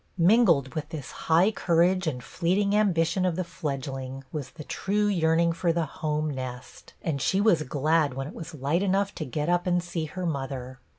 Mingled with this high courage and fleet ing ambition of the fledgling was the true yearning for the home nest; and she was glad when it was light enough to get up and see her mother.